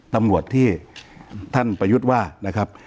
ตำรวจที่ท่านประยุทธ์ว่านะครับ